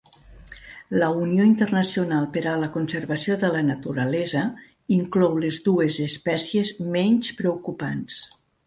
La Unió internacional per a la conservació de la naturalesa inclou les dues espècies menys preocupants.